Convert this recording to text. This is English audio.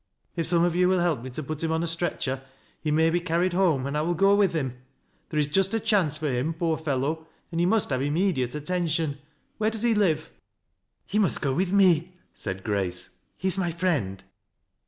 " If some of 70U will help me to put him on a stretcher, he may be carried home, and I will go with him. There is just » chance for him, poor fellow, and he must have imiriediaU attention. Where d Des he live ?" ^34 THAT LASS 0' LOWBIE'S. " He must go with me," said Grace. " He h mj friend."